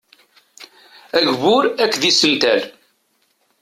Agbur akked isental.